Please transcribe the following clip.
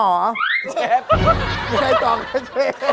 ไม่ได้ต่อค่ะเชฟ